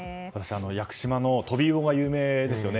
屋久島はトビウオが有名ですよね。